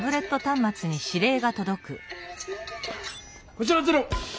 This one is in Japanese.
こちらゼロ！